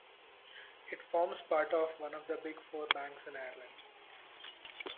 It forms part of one of the Big Four banks in Ireland.